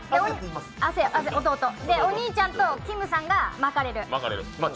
お兄ちゃんときむさんが巻かれる。